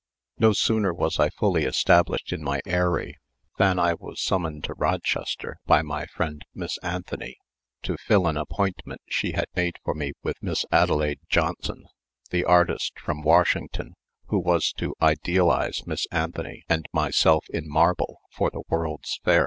No sooner was I fully established in my eyrie, than I was summoned to Rochester, by my friend Miss Anthony, to fill an appointment she had made for me with Miss Adelaide Johnson, the artist from Washington, who was to idealize Miss Anthony and myself in marble for the World's Fair.